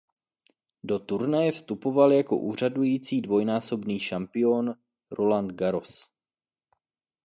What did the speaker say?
Do turnaje vstupoval jako úřadující dvojnásobný šampion Roland Garros.